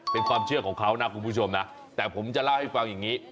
เป็นความเชื่อของเขานะคุณผู้ชมนะแต่ผมจะเล่าให้ฟังอย่างนี้